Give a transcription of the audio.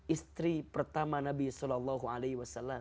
istri pertama nabi saw